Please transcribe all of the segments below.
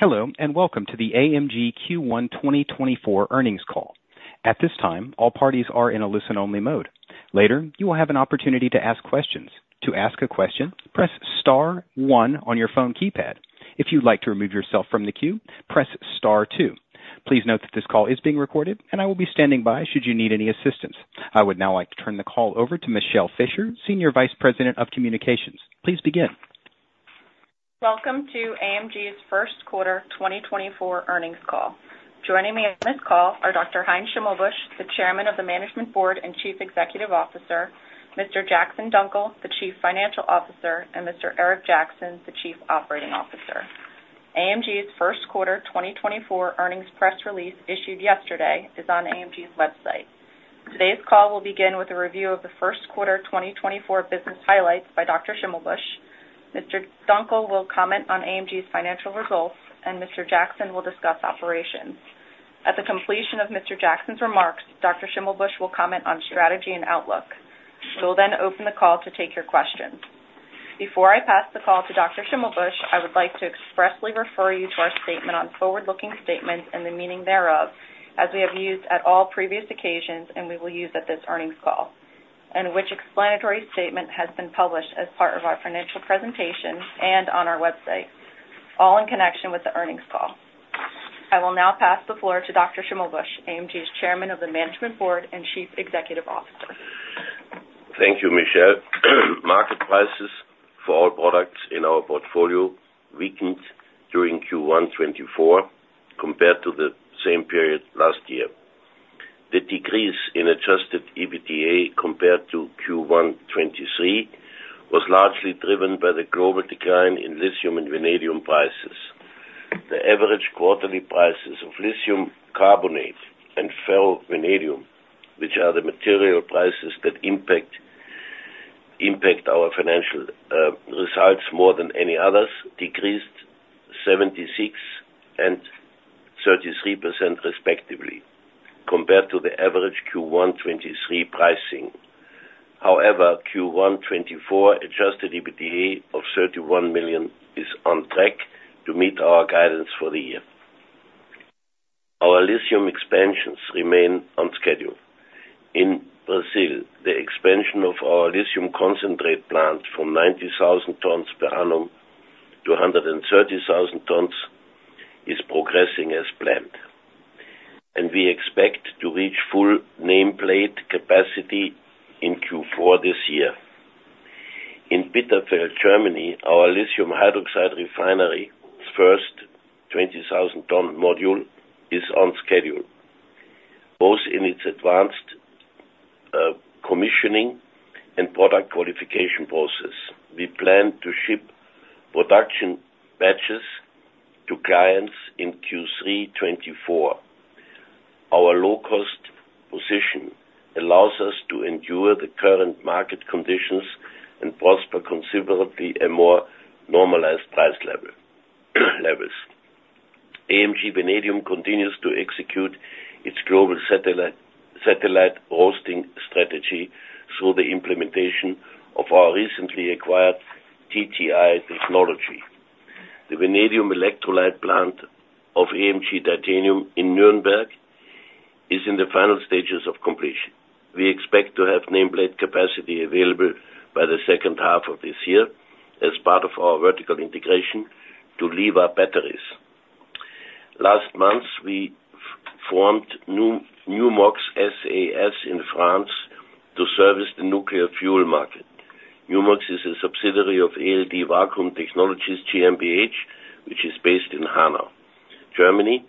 Hello and welcome to the AMG Q1 2024 earnings call. At this time, all parties are in a listen-only mode. Later, you will have an opportunity to ask questions. To ask a question, press star one on your phone keypad. If you'd like to remove yourself from the queue, press star two. Please note that this call is being recorded, and I will be standing by should you need any assistance. I would now like to turn the call over to Michele Fischer, Senior Vice President of Communications. Please begin. Welcome to AMG's first quarter 2024 earnings call. Joining me on this call are Dr. Heinz Schimmelbusch, the Chairman of the Management Board and Chief Executive Officer; Mr. Jackson Dunckel, the Chief Financial Officer; and Mr. Eric Jackson, the Chief Operating Officer. AMG's first quarter 2024 earnings press release issued yesterday is on AMG's website. Today's call will begin with a review of the first quarter 2024 business highlights by Dr. Schimmelbusch. Mr. Dunckel will comment on AMG's financial results, and Mr. Jackson will discuss operations. At the completion of Mr. Jackson's remarks, Dr. Schimmelbusch will comment on strategy and outlook. We will then open the call to take your questions. Before I pass the call to Dr. Schimmelbusch, I would like to expressly refer you to our statement on forward-looking statements and the meaning thereof, as we have used at all previous occasions and we will use at this earnings call, and which explanatory statement has been published as part of our financial presentation and on our website, all in connection with the earnings call. I will now pass the floor to Dr. Schimmelbusch, AMG's Chairman of the Management Board and Chief Executive Officer. Thank you, Michele. Market prices for all products in our portfolio weakened during Q1 2024 compared to the same period last year. The decrease in adjusted EBITDA compared to Q1 2023 was largely driven by the global decline in lithium and vanadium prices. The average quarterly prices of lithium carbonate and ferrovanadium, which are the material prices that impact our financial results more than any others, decreased 76% and 33% respectively compared to the average Q1 2023 pricing. However, Q1 2024 adjusted EBITDA of 31 million is on track to meet our guidance for the year. Our lithium expansions remain on schedule. In Brazil, the expansion of our lithium concentrate plant from 90,000 tons per annum to 130,000 tons is progressing as planned, and we expect to reach full nameplate capacity in Q4 this year. In Bitterfeld, Germany, our lithium hydroxide refinery's first 20,000-ton module is on schedule, both in its advanced commissioning and product qualification process. We plan to ship production batches to clients in Q3 2024. Our low-cost position allows us to endure the current market conditions and prosper considerably at more normalized price levels. AMG Vanadium continues to execute its global satellite roasting strategy through the implementation of our recently acquired TTI technology. The vanadium electrolyte plant of AMG Titanium in Nuremberg is in the final stages of completion. We expect to have nameplate capacity available by the second half of this year as part of our vertical integration to LIVA batteries. Last month, we formed NUMOX SAS in France to service the nuclear fuel market. NUMOX is a subsidiary of ALD Vacuum Technologies GmbH, which is based in Hanau, Germany.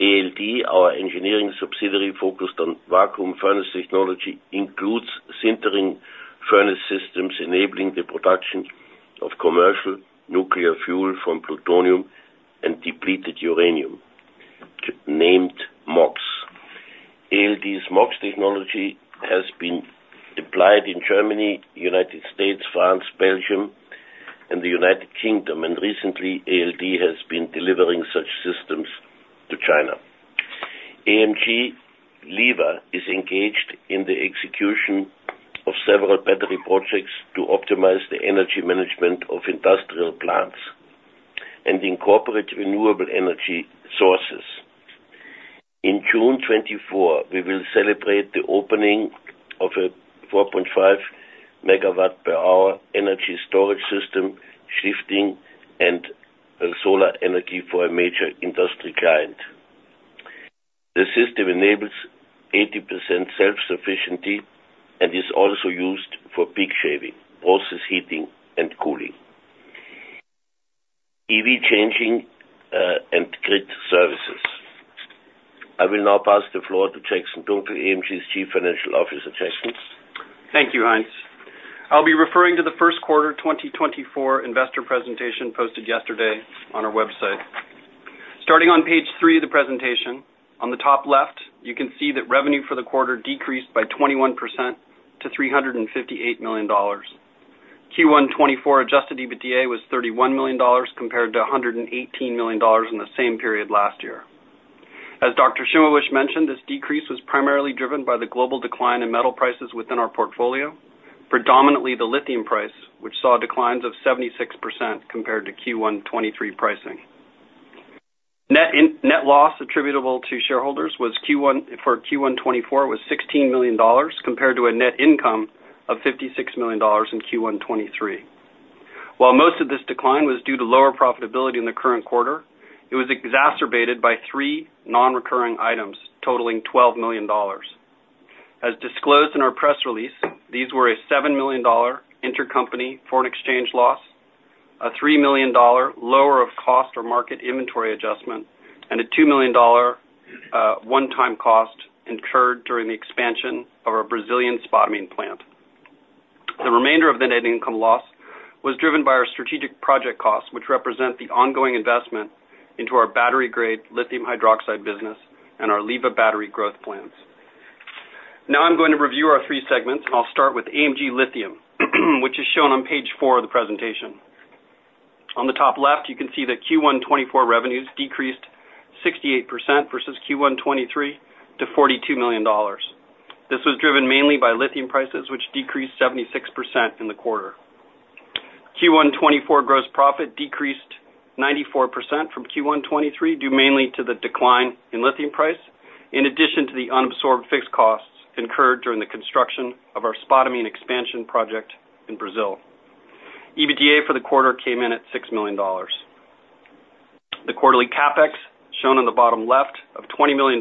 ALD, our engineering subsidiary focused on vacuum furnace technology, includes sintering furnace systems enabling the production of commercial nuclear fuel from plutonium and depleted uranium, named MOX. ALD's MOX technology has been applied in Germany, United States, France, Belgium, and the United Kingdom, and recently, ALD has been delivering such systems to China. AMG LIVA is engaged in the execution of several battery projects to optimize the energy management of industrial plants and incorporate renewable energy sources. In June 2024, we will celebrate the opening of a 4.5 MWh energy storage system shifting of solar energy for a major industry client. The system enables 80% self-sufficiency and is also used for peak shaving, process heating, and cooling. EV charging and grid services. I will now pass the floor to Jackson Dunckel, AMG's Chief Financial Officer. Thank you, Heinz. I'll be referring to the first quarter 2024 investor presentation posted yesterday on our website. Starting on page three of the presentation, on the top left, you can see that revenue for the quarter decreased by 21% to $358 million. Q1 2024 adjusted EBITDA was $31 million compared to $118 million in the same period last year. As Dr. Schimmelbusch mentioned, this decrease was primarily driven by the global decline in metal prices within our portfolio, predominantly the lithium price, which saw declines of 76% compared to Q1 2023 pricing. Net loss attributable to shareholders for Q1 2024 was $16 million compared to a net income of $56 million in Q1 2023. While most of this decline was due to lower profitability in the current quarter, it was exacerbated by three non-recurring items totaling $12 million. As disclosed in our press release, these were a $7 million intercompany foreign exchange loss, a $3 million lower of cost or market inventory adjustment, and a $2 million one-time cost incurred during the expansion of our Brazilian spodumene plant. The remainder of the net income loss was driven by our strategic project costs, which represent the ongoing investment into our battery-grade lithium hydroxide business and our LIVA battery growth plans. Now I'm going to review our three segments, and I'll start with AMG Lithium, which is shown on page four of the presentation. On the top left, you can see that Q1 2024 revenues decreased 68% versus Q1 2023 to $42 million. This was driven mainly by lithium prices, which decreased 76% in the quarter. Q1 2024 gross profit decreased 94% from Q1 2023 due mainly to the decline in lithium price in addition to the unabsorbed fixed costs incurred during the construction of our spodumene and expansion project in Brazil. EBITDA for the quarter came in at $6 million. The quarterly CapEx shown on the bottom left of $20 million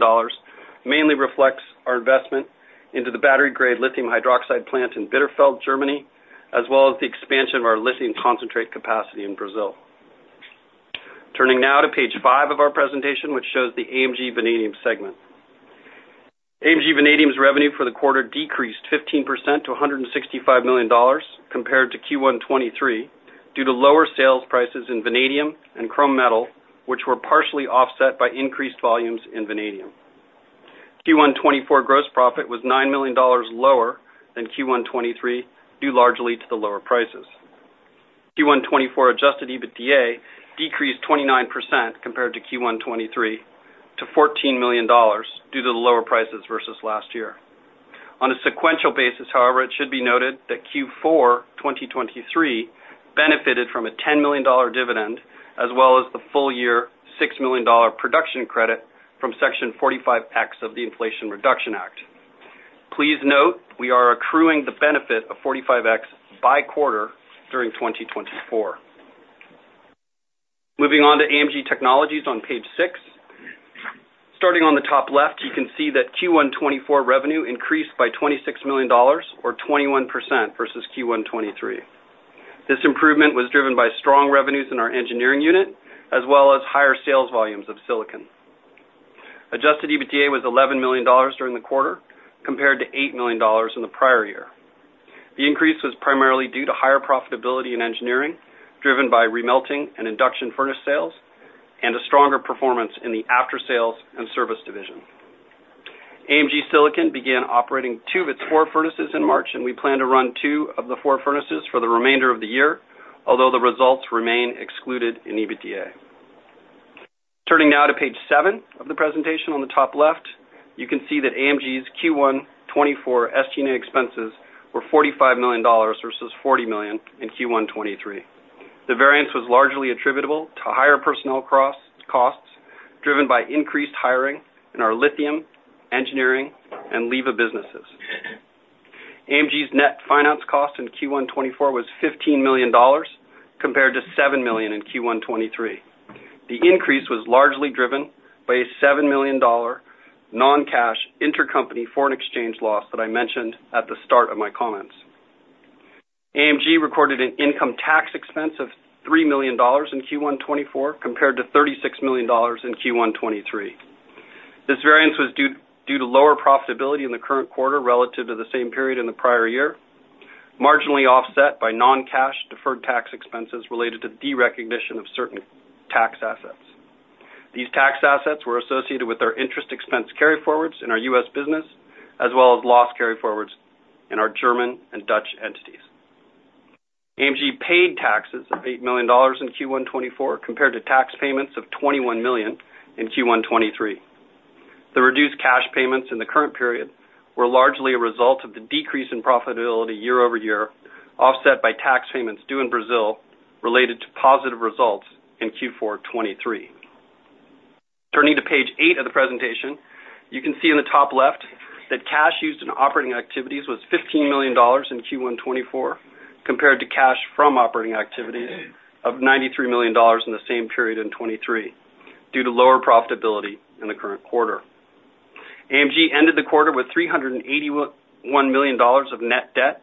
mainly reflects our investment into the battery-grade lithium hydroxide plant in Bitterfeld, Germany, as well as the expansion of our lithium concentrate capacity in Brazil. Turning now to page five of our presentation, which shows the AMG Vanadium segment. AMG Vanadium's revenue for the quarter decreased 15% to $165 million compared to Q1 2023 due to lower sales prices in vanadium and chrome metal, which were partially offset by increased volumes in vanadium. Q1 2024 gross profit was $9 million lower than Q1 2023 due largely to the lower prices. Q1 2024 adjusted EBITDA decreased 29% compared to Q1 2023 to $14 million due to the lower prices versus last year. On a sequential basis, however, it should be noted that Q4 2023 benefited from a $10 million dividend as well as the full-year $6 million production credit from Section 45X of the Inflation Reduction Act. Please note we are accruing the benefit of 45X by quarter during 2024. Moving on to AMG Technologies on page 6. Starting on the top left, you can see that Q1 2024 revenue increased by $26 million or 21% versus Q1 2023. This improvement was driven by strong revenues in our engineering unit as well as higher sales volumes of silicon. adjusted EBITDA was $11 million during the quarter compared to $8 million in the prior year. The increase was primarily due to higher profitability in engineering driven by remelting and induction furnace sales and a stronger performance in the after-sales and service division. AMG Silicon began operating two of its four furnaces in March, and we plan to run two of the four furnaces for the remainder of the year, although the results remain excluded in EBITDA. Turning now to page seven of the presentation, on the top left, you can see that AMG's Q1 2024 estimated expenses were $45 million versus $40 million in Q1 2023. The variance was largely attributable to higher personnel costs driven by increased hiring in our lithium engineering and LIVA businesses. AMG's net finance cost in Q1 2024 was $15 million compared to $7 million in Q1 2023. The increase was largely driven by a $7 million non-cash intercompany foreign exchange loss that I mentioned at the start of my comments. AMG recorded an income tax expense of $3 million in Q1 2024 compared to $36 million in Q1 2023. This variance was due to lower profitability in the current quarter relative to the same period in the prior year, marginally offset by non-cash deferred tax expenses related to the derecognition of certain tax assets. These tax assets were associated with our interest expense carryforwards in our U.S. business as well as loss carryforwards in our German and Dutch entities. AMG paid taxes of $8 million in Q1 2024 compared to tax payments of $21 million in Q1 2023. The reduced cash payments in the current period were largely a result of the decrease in profitability year-over-year offset by tax payments due in Brazil related to positive results in Q4 2023. Turning to page 8 of the presentation, you can see on the top left that cash used in operating activities was $15 million in Q1 2024 compared to cash from operating activities of $93 million in the same period in 2023 due to lower profitability in the current quarter. AMG ended the quarter with $381 million of net debt,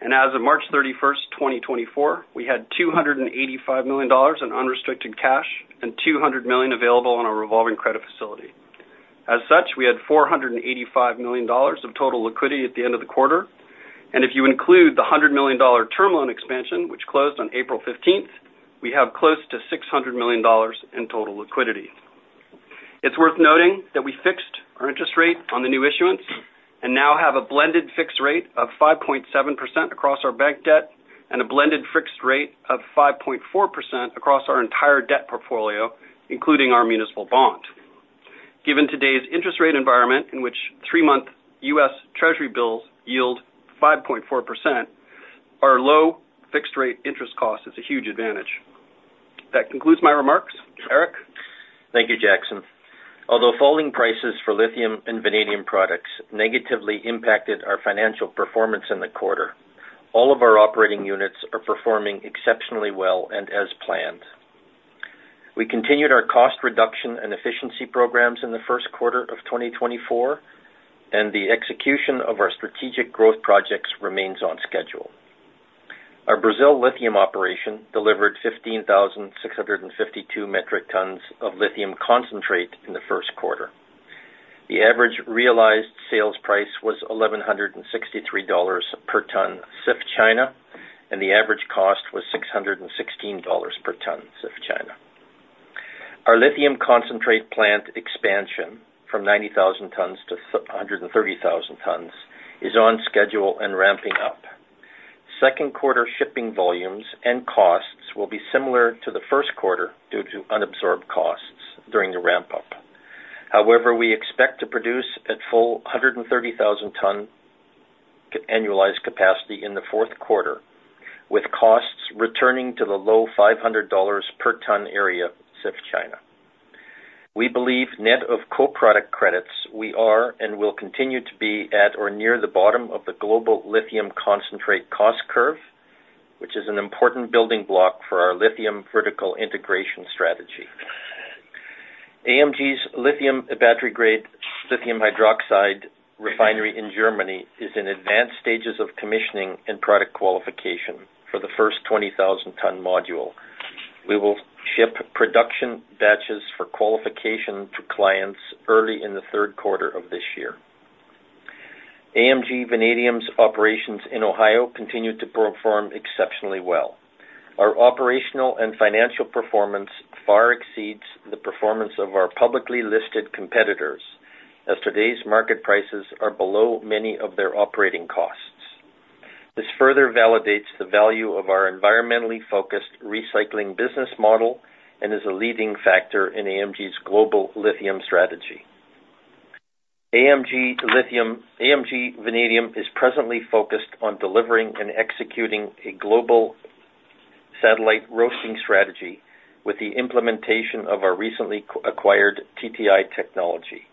and as of March 31st, 2024, we had $285 million in unrestricted cash and $200 million available on our revolving credit facility. As such, we had $485 million of total liquidity at the end of the quarter, and if you include the $100 million term loan expansion, which closed on April 15th, we have close to $600 million in total liquidity. It's worth noting that we fixed our interest rate on the new issuance and now have a blended fixed rate of 5.7% across our bank debt and a blended fixed rate of 5.4% across our entire debt portfolio, including our municipal bond. Given today's interest rate environment in which three-month U.S. Treasury bills yield 5.4%, our low fixed-rate interest cost is a huge advantage. That concludes my remarks. Eric? Thank you, Jackson. Although falling prices for lithium and vanadium products negatively impacted our financial performance in the quarter, all of our operating units are performing exceptionally well and as planned. We continued our cost reduction and efficiency programs in the first quarter of 2024, and the execution of our strategic growth projects remains on schedule. Our Brazil lithium operation delivered 15,652 metric tons of lithium concentrate in the first quarter. The average realized sales price was $1,163 per ton CIF China, and the average cost was $616 per ton CIF China. Our lithium concentrate plant expansion from 90,000-130,000 tons is on schedule and ramping up. Second quarter shipping volumes and costs will be similar to the first quarter due to unabsorbed costs during the ramp-up. However, we expect to produce at full 130,000-ton annualized capacity in the fourth quarter, with costs returning to the low $500 per ton area CIF China. We believe net of co-product credits, we are and will continue to be at or near the bottom of the global lithium concentrate cost curve, which is an important building block for our lithium vertical integration strategy. AMG's lithium battery-grade lithium hydroxide refinery in Germany is in advanced stages of commissioning and product qualification for the first 20,000-ton module. We will ship production batches for qualification to clients early in the third quarter of this year. AMG Vanadium's operations in Ohio continue to perform exceptionally well. Our operational and financial performance far exceeds the performance of our publicly listed competitors, as today's market prices are below many of their operating costs. This further validates the value of our environmentally focused recycling business model and is a leading factor in AMG's global lithium strategy. AMG Vanadium is presently focused on delivering and executing a global satellite roasting strategy with the implementation of our recently acquired TTI technology.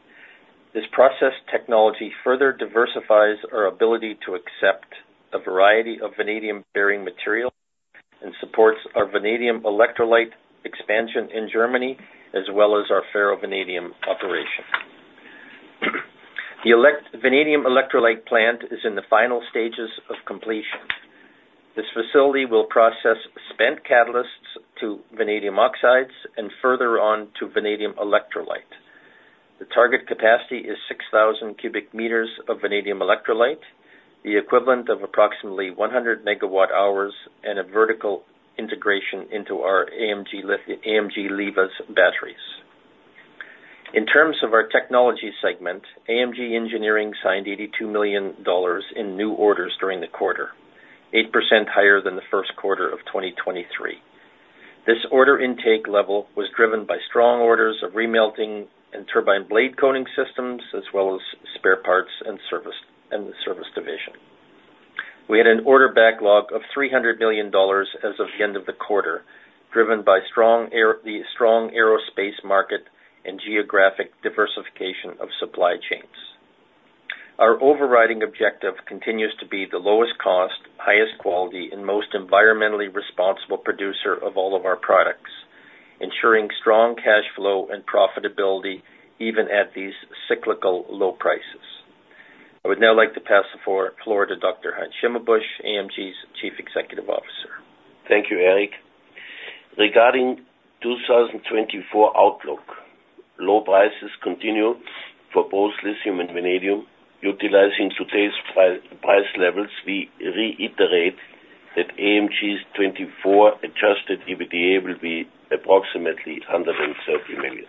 This process technology further diversifies our ability to accept a variety of vanadium-bearing material and supports our vanadium electrolyte expansion in Germany as well as our ferrovanadium operation. The vanadium electrolyte plant is in the final stages of completion. This facility will process spent catalysts to vanadium oxides and further on to vanadium electrolyte. The target capacity is 6,000 cubic meters of vanadium electrolyte, the equivalent of approximately 100 MWh, and a vertical integration into our AMG LIVA's batteries. In terms of our technology segment, AMG Engineering signed $82 million in new orders during the quarter, 8% higher than the first quarter of 2023. This order intake level was driven by strong orders of remelting and turbine blade coating systems as well as spare parts and the service division. We had an order backlog of $300 million as of the end of the quarter, driven by the strong aerospace market and geographic diversification of supply chains. Our overriding objective continues to be the lowest cost, highest quality, and most environmentally responsible producer of all of our products, ensuring strong cash flow and profitability even at these cyclical low prices. I would now like to pass the floor to Dr. Heinz Schimmelbusch, AMG's Chief Executive Officer. Thank you, Eric. Regarding 2024 outlook, low prices continue for both lithium and vanadium. Utilizing today's price levels, we reiterate that AMG's 2024 adjusted EBITDA will be approximately 130 million.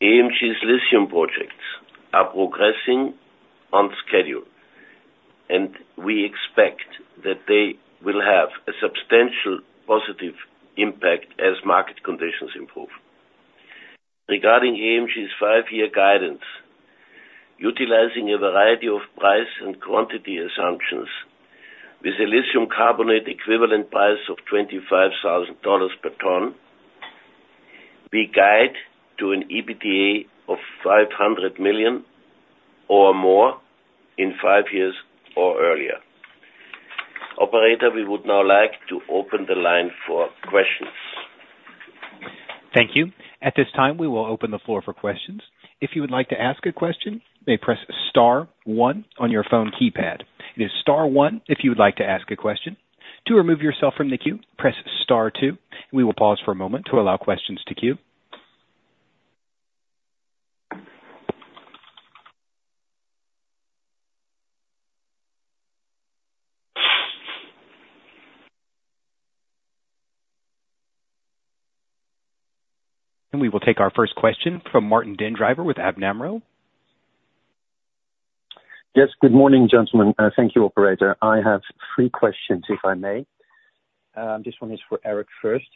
AMG's lithium projects are progressing on schedule, and we expect that they will have a substantial positive impact as market conditions improve. Regarding AMG's five-year guidance, utilizing a variety of price and quantity assumptions, with a lithium carbonate equivalent price of $25,000 per ton, we guide to an adjusted EBITDA of 500 million or more in five years or earlier. Operator, we would now like to open the line for questions. Thank you. At this time, we will open the floor for questions. If you would like to ask a question, may press star one on your phone keypad. It is star one if you would like to ask a question. To remove yourself from the queue, press star two, and we will pause for a moment to allow questions to queue. We will take our first question from Martijn den Drijver with ABN AMRO. Yes. Good morning, gentlemen. Thank you, Operator. I have three questions, if I may. This one is for Eric first.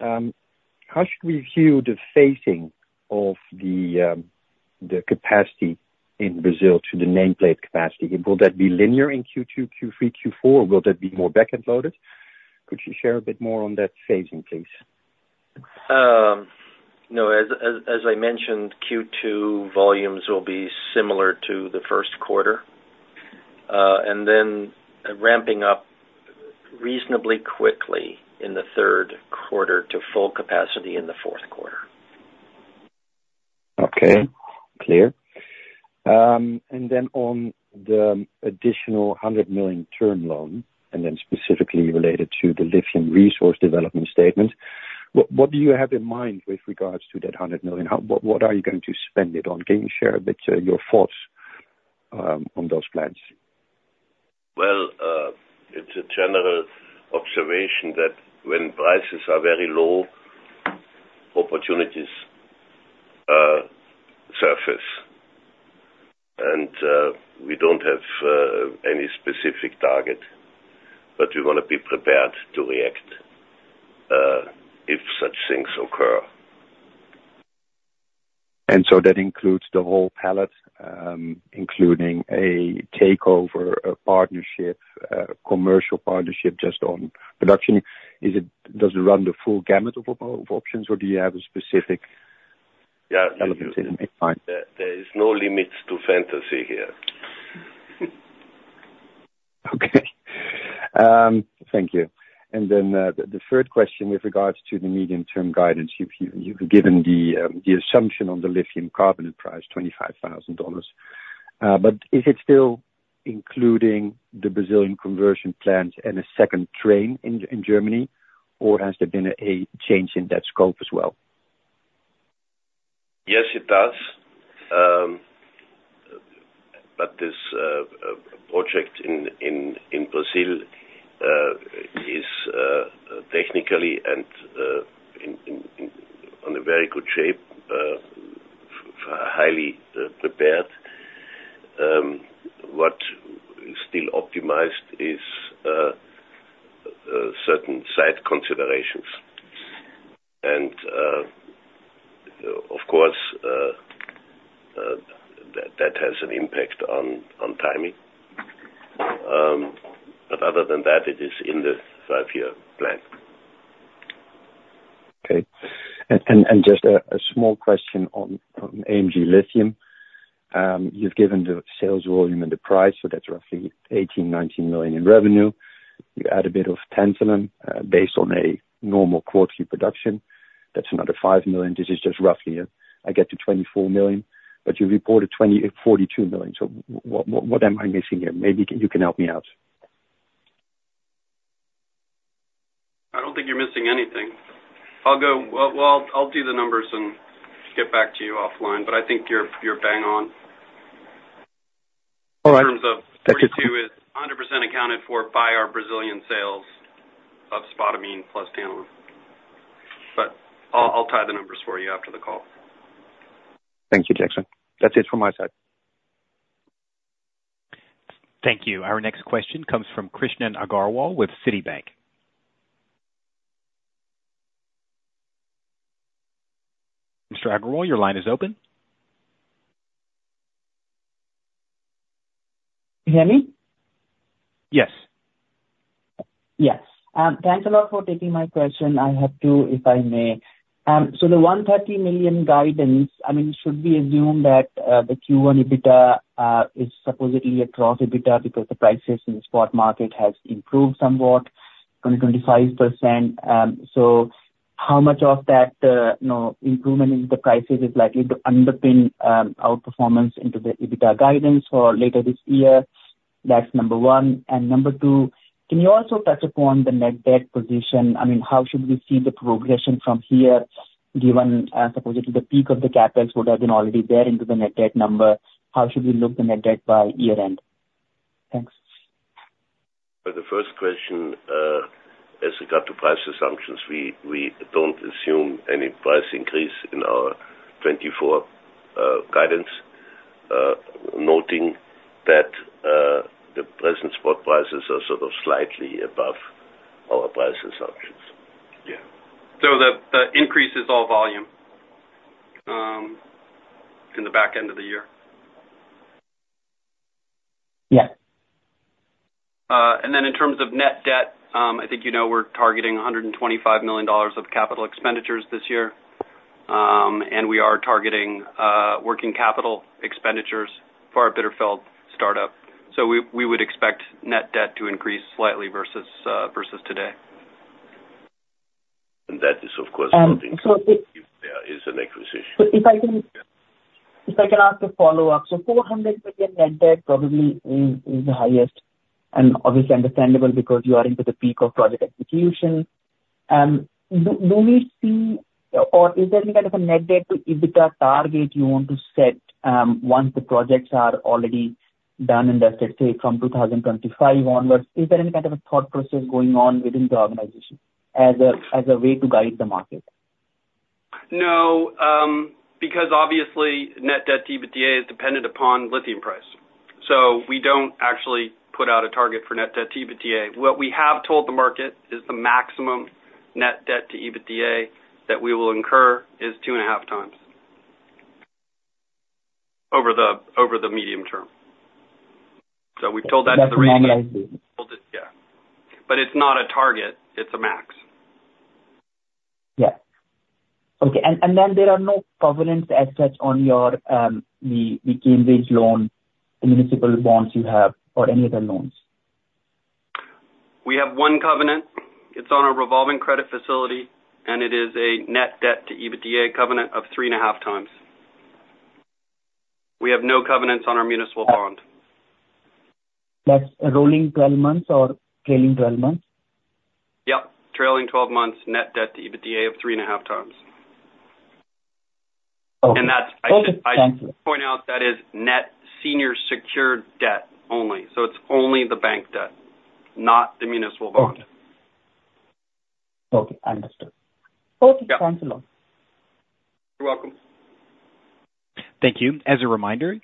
How should we view the phasing of the capacity in Brazil to the nameplate capacity? Will that be linear in Q2, Q3, Q4, or will that be more backend-loaded? Could you share a bit more on that phasing, please? No. As I mentioned, Q2 volumes will be similar to the first quarter and then ramping up reasonably quickly in the third quarter to full capacity in the fourth quarter. Okay. Clear. And then on the additional 100 million term loan and then specifically related to the lithium resource development statement, what do you have in mind with regards to that 100 million? What are you going to spend it on? Can you share a bit your thoughts on those plans? Well, it's a general observation that when prices are very low, opportunities surface, and we don't have any specific target, but we want to be prepared to react if such things occur. And so that includes the whole palette, including a takeover, a commercial partnership just on production. Does it run the full gamut of options, or do you have a specific element in mind? Yeah. There is no limits to fantasy here. Okay. Thank you. And then the third question with regards to the medium-term guidance, you've given the assumption on the lithium carbonate price, $25,000. But is it still including the Brazilian conversion plans and a second train in Germany, or has there been a change in that scope as well? Yes, it does. But this project in Brazil is technically and in a very good shape, highly prepared. What is still optimized is certain side considerations. And of course, that has an impact on timing. But other than that, it is in the five-year plan. Okay. And just a small question on AMG Lithium. You've given the sales volume and the price, so that's roughly $18 million-$19 million in revenue. You add a bit of tantalum based on a normal quarterly production. That's another $5 million. This is just roughly I get to $24 million, but you reported $42 million. So what am I missing here? Maybe you can help me out. I don't think you're missing anything. Well, I'll do the numbers and get back to you offline, but I think you're bang on in terms of. All right. That's it. Q2 is 100% accounted for by our Brazilian sales of spodumene plus tantalum. But I'll tie the numbers for you after the call. Thank you, Jackson. That's it from my side. Thank you. Our next question comes from Krishan Agarwal with Citibank. Mr. Agarwal, your line is open. Can you hear me? Yes. Yes. Thanks a lot for taking my question. I have to, if I may. So the 130 million guidance, I mean, it should be assumed that the Q1 EBITDA is supposedly across EBITDA because the prices in the spot market have improved somewhat, 20%-25%. So how much of that improvement in the prices is likely to underpin our performance into the EBITDA guidance for later this year? That's number one. And number two, can you also touch upon the net debt position? I mean, how should we see the progression from here given, supposedly, the peak of the CapEx would have been already there into the net debt number? How should we look at the net debt by year-end? Thanks. For the first question, as regards to price assumptions, we don't assume any price increase in our 2024 guidance, noting that the present spot prices are sort of slightly above our price assumptions. Yeah. So the increase is all volume in the back end of the year? Yes. And then in terms of net debt, I think you know we're targeting $125 million of capital expenditures this year, and we are targeting working capital expenditures for our Bitterfeld startup. So we would expect net debt to increase slightly versus today. That is, of course, something that if there is an acquisition. If I can ask a follow-up, so 400 million net debt probably is the highest and obviously understandable because you are into the peak of project execution. Do we see or is there any kind of a net debt to EBITDA target you want to set once the projects are already done and dusted, say, from 2025 onwards? Is there any kind of a thought process going on within the organization as a way to guide the market? No. Because obviously, net debt to EBITDA is dependent upon lithium price. So we don't actually put out a target for net debt to EBITDA. What we have told the market is the maximum net debt to EBITDA that we will incur is 2.5 times over the medium term. So we've told that as the ratio. That's normalized. Yeah. But it's not a target. It's a max. Yes. Okay. And then there are no covenants as such on the Term loan, municipal bonds you have, or any other loans? We have one covenant. It's on our revolving credit facility, and it is a net debt to EBITDA covenant of 3.5 times. We have no covenants on our municipal bond. That's rolling 12 months or trailing 12 months? Yep. Trailing 12 months, net debt to EBITDA of 3.5 times. I should point out that is net senior secured debt only. It's only the bank debt, not the municipal bond. Okay. Understood. Okay. Thanks a lot. You're welcome. Thank you. As a reminder,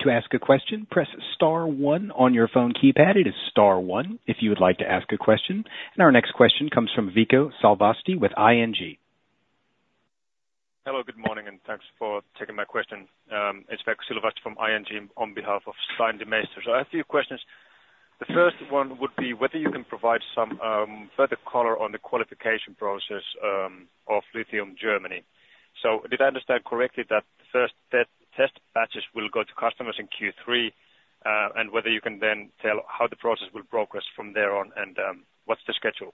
to ask a question, press star one on your phone keypad. It is star one if you would like to ask a question. Our next question comes from Vico Salvasti with ING. Hello. Good morning, and thanks for taking my question. It's Vico Salvasti from ING on behalf of Stijn Demeester. I have a few questions. The first one would be whether you can provide some further color on the qualification process of Lithium Germany. Did I understand correctly that the first test batches will go to customers in Q3 and whether you can then tell how the process will progress from there on and what's the schedule?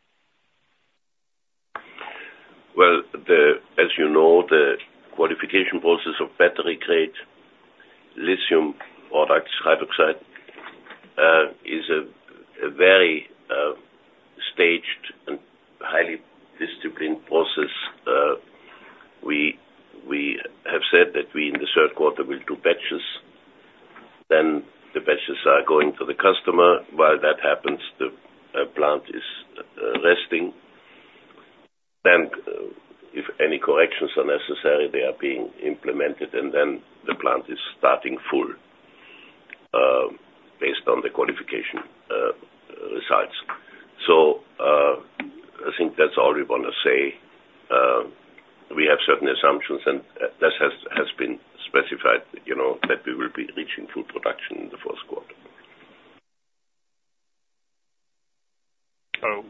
Well, as you know, the qualification process of battery-grade lithium products, hydroxide, is a very staged and highly disciplined process. We have said that we in the third quarter will do batches. Then the batches are going to the customer. While that happens, the plant is resting. Then if any corrections are necessary, they are being implemented, and then the plant is starting full based on the qualification results. So I think that's all we want to say. We have certain assumptions, and that has been specified that we will be reaching full production in the fourth quarter.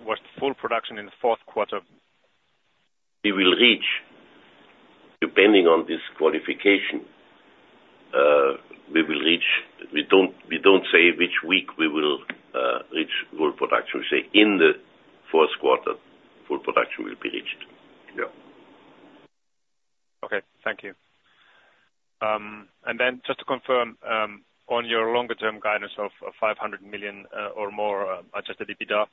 What's full production in the fourth quarter? We will reach, depending on this qualification, we don't say which week we will reach full production. We say in the fourth quarter, full production will be reached. Yeah. Okay. Thank you. And then just to confirm, on your longer-term guidance of 500 million or more adjusted EBITDA,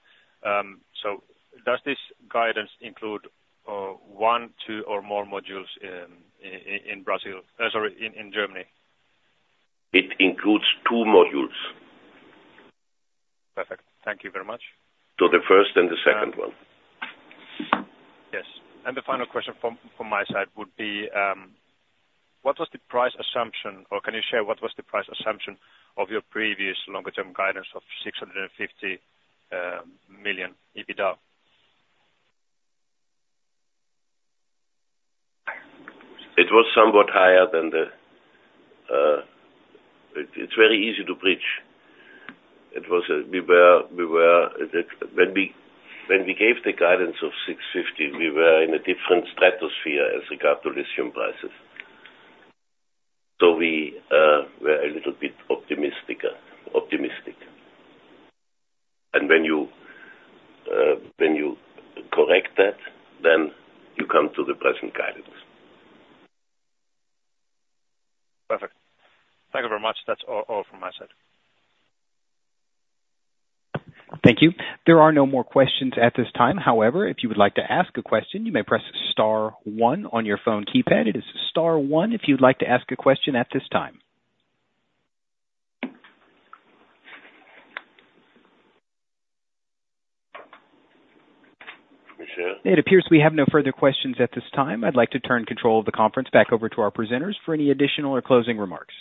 so does this guidance include one, two, or more modules in Brazil sorry, in Germany? It includes two modules. Perfect. Thank you very much. So the first and the second one. Yes. The final question from my side would be, what was the price assumption or can you share what was the price assumption of your previous longer-term guidance of 650 million EBITDA? It was somewhat higher than that. It's very easy to bridge. When we gave the guidance of 650, we were in a different stratosphere as regards lithium prices. So we were a little bit optimistic. And when you correct that, then you come to the present guidance. Perfect. Thank you very much. That's all from my side. Thank you. There are no more questions at this time. However, if you would like to ask a question, you may press star one on your phone keypad. It is star one if you would like to ask a question at this time. Michele? It appears we have no further questions at this time. I'd like to turn control of the conference back over to our presenters for any additional or closing remarks.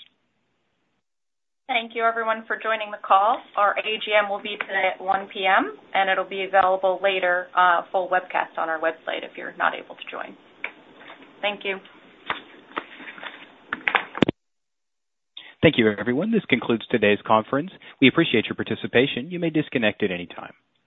Thank you, everyone, for joining the call. Our AGM will be today at 1:00 P.M., and it'll be available later, full webcast on our website if you're not able to join. Thank you. Thank you, everyone. This concludes today's conference. We appreciate your participation. You may disconnect at any time.